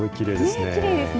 きれいですね。